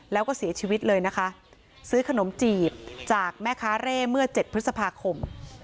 แล้วก็เสียชีวิตเลยนะคะซื้อขนมจีบจากแม่ค้าเร่เมื่อ๗พฤษภาคม